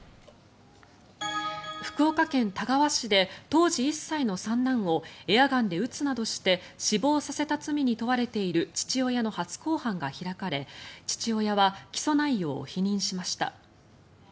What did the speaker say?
福岡県田川市で当時１歳の三男をエアガンで撃つなどして死亡させた罪に問われている父親の初公判が開かれ父親は起訴内容を否認しました。